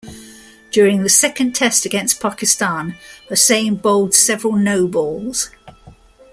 During the second Test against Pakistan, Hossain bowled several no-balls.